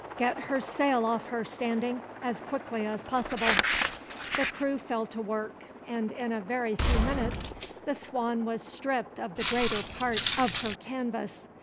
"Get her sail off her, Standing, as quickly as possible." The crew fell to work, and in a very few minutes the Swan was stripped of the greater part of her canvas.